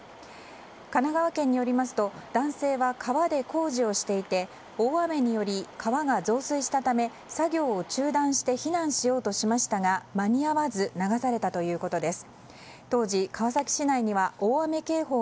神奈川県によりますと男性は川で工事をしていて大雨により川が増水したため作業を中断して避難しようとしましたが間に合わず流されたということです。